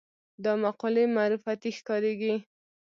دا مقولې معرفتي ښکارېږي